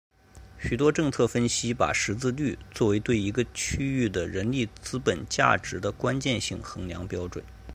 许多政策分析把识字率作为对一个区域的人力资本价值的关键性衡量标准。